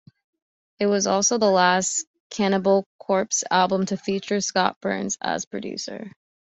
It was also the last Cannibal Corpse album to feature Scott Burns as producer.